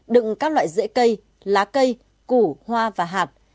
đựng các loại dễ cây lá cây củ hoa và hạt